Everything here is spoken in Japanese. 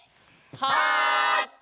はい！